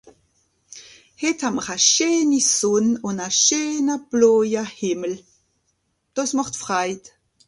hìt hàmm'r a scheeni sònn ùn a scheene blauje Hìmmel dàs màcht freit